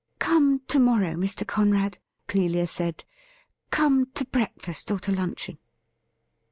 ' Come to mon ow, Mr. Conrad,' Clelia said. ' Come to breakfast or to luncheon.'